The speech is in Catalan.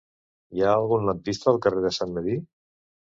Hi ha algun lampista al carrer de Sant Medir?